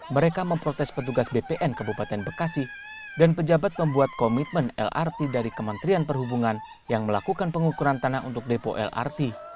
mereka memprotes petugas bpn kabupaten bekasi dan pejabat membuat komitmen lrt dari kementerian perhubungan yang melakukan pengukuran tanah untuk depo lrt